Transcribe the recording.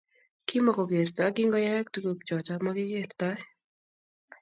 Kimagogertoi kingoyayak tuguk choto magigertoi